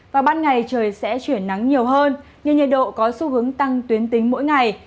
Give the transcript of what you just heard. và ban ngày trời sẽ chuyển nắng nhiều hơn nên nhiệt độ có xu hướng tăng tuyến tính mỗi ngày